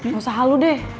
gak usah halu dede